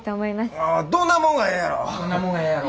どんなもんがええんやろ？